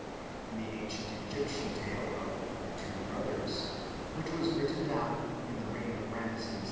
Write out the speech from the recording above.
In the ancient Egyptian tale of "The Two Brothers," which was written down in the reign of Rameses II.